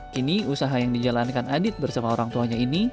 kini usaha yang dijalankan adit bersama orang tuanya ini